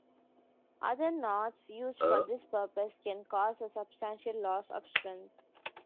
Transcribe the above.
Other knots used for this purpose can cause a substantial loss of strength.